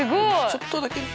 ちょっとだけね。